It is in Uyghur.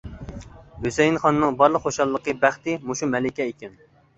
ھۈسەيىن خاننىڭ بارلىق خۇشاللىقى بەختى مۇشۇ مەلىكە ئىكەن.